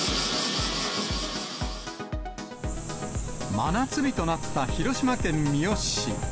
真夏日となった広島県三次市。